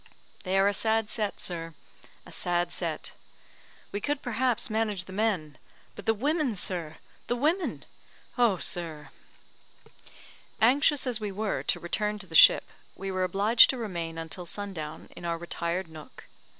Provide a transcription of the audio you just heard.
They are a sad set, sir, a sad set. We could, perhaps, manage the men; but the women, sir! the women! Oh, sir!" Anxious as we were to return to the ship, we were obliged to remain until sun down in our retired nook.